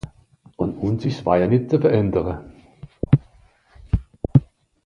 Àn ùns ìsch ’s wajer nìtt se ze verändere.